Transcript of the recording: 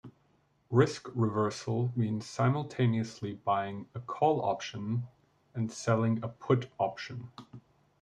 Risk reversal means simultaneously buying a call option and selling a put option.